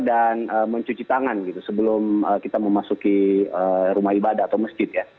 dan mencuci tangan gitu sebelum kita mau masuk ke rumah ibadah atau masjid ya